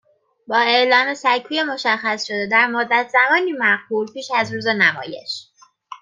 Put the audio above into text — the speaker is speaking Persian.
با اعلام سکوی مشخّصشده در مدّت زمانی معقول پیش از روز نمایش